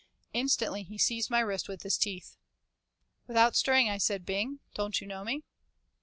Instantly he seized my wrist in his teeth. Without stirring I said, "Bing, don't you know me?"